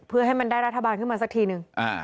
เพื่อให้มันได้รัฐบาลขึ้นมาสักทีนึง